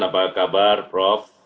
apa kabar prof